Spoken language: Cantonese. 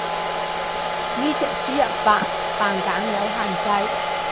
呢隻輸入法繁簡冇限制